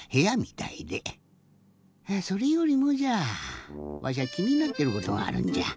それよりもじゃあわしゃきになってることがあるんじゃ。